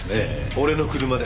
俺の車で。